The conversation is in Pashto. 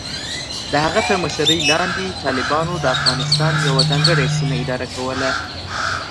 د هغه تر مشرۍ لاندې، طالبانو د افغانستان یوه ځانګړې سیمه اداره کوله.